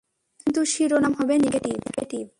কিন্তু শিরোনাম হবে নেগেটিভ।